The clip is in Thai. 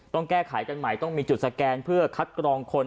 ต้องแก้ไขกันใหม่ต้องมีจุดสแกนเพื่อคัดกรองคน